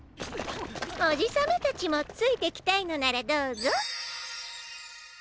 おじさまたちもついてきたいのならどうぞ。